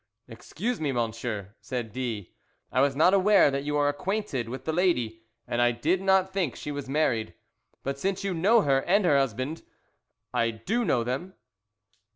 "Excuse me, monsieur," said D , "I was not aware that you are acquainted with the lady, and I did not think she was married. But since you know her and her husband " "I do know them."